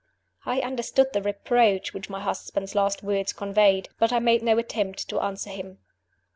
_" I understood the reproach which my husband's last words conveyed; but I made no attempt to answer him.